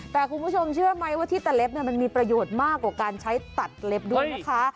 แต่คุณผู้ชมเชื่อไหมว่าที่ตะเล็บมันมีประโยชน์มากกว่าการใช้ตัดเล็บด้วยนะคะ